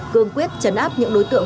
cương quyết trấn áp những đối tượng